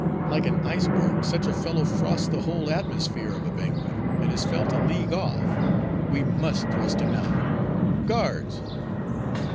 Like an iceberg, such a fellow frosts the whole atmosphere of a banquet, and is felt a league off We must thrust him out. Guards!"